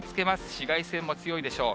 紫外線も強いでしょう。